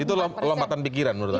itu lompatan pikiran menurut anda